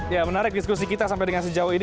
ya menarik diskusi kita sampai dengan sejauh ini